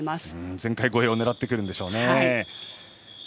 前回超えを狙ってくるんでしょうね。